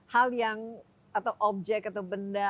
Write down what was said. hal yang atau objek atau benda